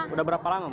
udah berapa lama